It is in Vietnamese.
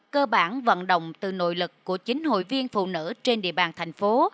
cơ bản vận động từ nội lực của chính hội viên phụ nữ trên địa bàn thành phố